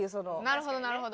なるほどなるほど。